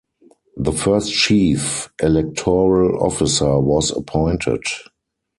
The first Chief Electoral Officer was appointed.